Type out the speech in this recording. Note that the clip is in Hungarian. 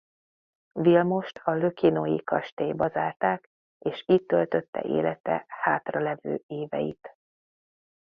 Vilmost a Le Quesnoy-i kastélyba zárták és itt töltötte élete hátralevő éveit.